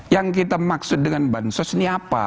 yang kita maksud dengan bansos ini apa